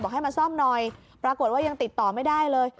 ให้มาซ่อมหน่อยปรากฏว่ายังติดต่อไม่ได้เลย